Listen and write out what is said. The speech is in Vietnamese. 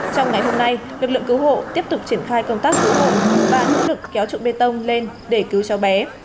trong ngày hôm nay lực lượng cứu hộ tiếp tục triển khai công tác cứu hộ và nỗ lực kéo trụ bê tông lên để cứu cháu bé